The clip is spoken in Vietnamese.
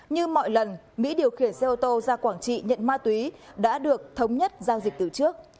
như mọi lần mỹ điều khiển xe ô tô ra quảng trị nhận ma túy đã được thống nhất giao dịch từ trước